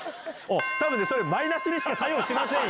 たぶん、それマイナスにしか作用しません。